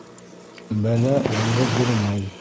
Бәлә яңғыҙ йөрөмәй.